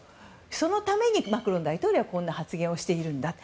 そのためにマクロン大統領はこんな発言をしているんだと。